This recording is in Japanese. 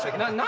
何？